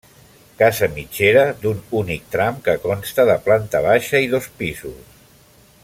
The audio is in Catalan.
Casa mitgera d'un únic tram que consta de planta baixa i dos pisos.